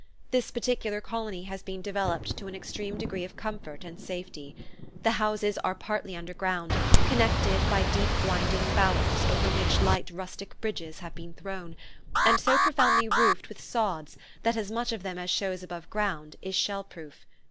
This particular colony has been developed to an extreme degree of comfort and safety. The houses are partly underground, connected by deep winding "bowels" over which light rustic bridges have been thrown, and so profoundly roofed with sods that as much of them as shows above ground is shell proof.